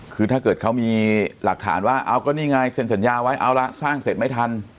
คือถ้าเกิดเขามีหลักฐานว่าเอาก็นี่ไงเซ็นสัญญาไว้เอาละสร้างเสร็จไม่ทัน